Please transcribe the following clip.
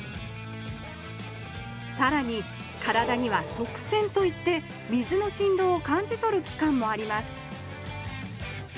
さらに体には側線といって水のしんどうを感じ取る器官もあります